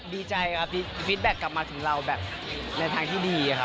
ดีใจครับฟิตแบ็คกลับมาถึงเราแบบในทางที่ดีครับ